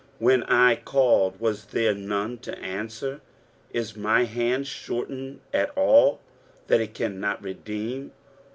when I called, was there none to answer? Is my hand shortened at all, that it cannot redeem?